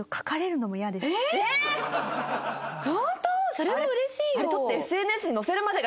それは嬉しいよ。